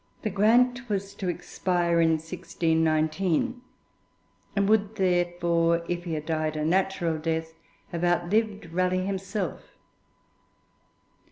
The grant was to expire in 1619, and would therefore, if he had died a natural death, have outlived Raleigh himself.